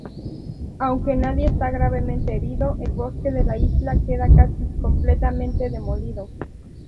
Aunque nadie está gravemente herido, el bosque de la isla queda casi completamente demolido.